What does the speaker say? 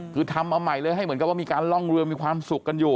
คือทำมาใหม่เลยให้เหมือนกับว่ามีการล่องเรือมีความสุขกันอยู่